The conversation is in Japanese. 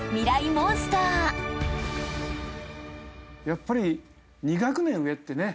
やっぱり２学年上ってね